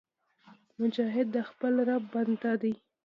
مجاهد د خپل رب بنده دی